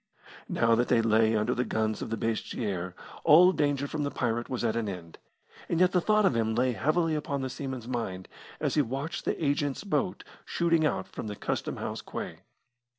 Now that they lay under the guns of Basseterre, all danger from the pirate was at an end, and yet the thought of him lay heavily upon the seaman's mind as he watched the agent's boat shooting out from the Custom house quay.